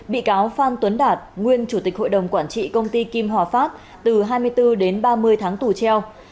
bị cáo phan tuấn đạt nguyên chủ tịch hội đồng quản trị công ty kim hòa phát từ hai mươi bốn đến ba mươi tháng tù treo